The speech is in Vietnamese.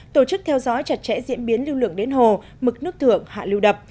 tổ chức theo dõi chặt chẽ diễn biến lưu lượng đến hồ mực nước thượng hạ lưu đập